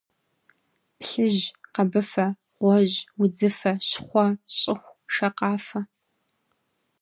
Плъыжь, къэбыфэ, гъуэжь, удзыфэ, щхъуэ, щӏыху, шакъафэ.